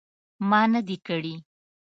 ما نه دي کړي